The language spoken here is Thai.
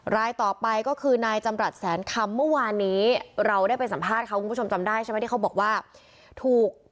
รายต่อไปก็คือนายจำรัฐแสนคำเมื่อวานนี้เราได้ไปสัมภาษณ์เขาคุณผู้ชมจำได้ใช่ไหมที่เขาบอกว่าถูก